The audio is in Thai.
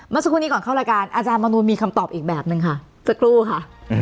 มาสักวันนี้ก่อนเข้าราการอาจารย์มันุนมีคำตอบอีกแบบหนึ่งสักครู่ค่ะ